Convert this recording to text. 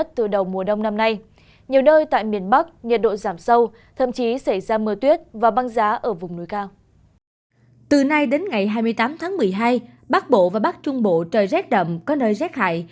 từ nay đến ngày hai mươi tám tháng một mươi hai bắc bộ và bắc trung bộ trời rét đậm có nơi rét hại